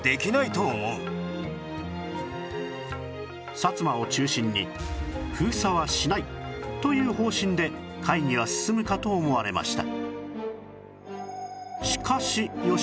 薩摩を中心に封鎖はしないという方針で会議は進むかと思われました